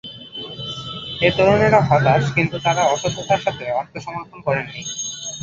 এই তরুণেরা হয়তো হতাশ, কিন্তু তাঁরা অসততার কাছে আত্মসমর্পণ করেননি।